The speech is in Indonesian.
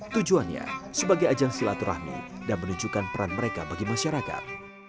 tujuannya sebagai ajang silaturahmi dan menunjukkan peran mereka bagi masyarakat